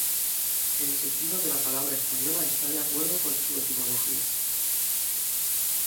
El sentido de la palabra española está de acuerdo con su etimología.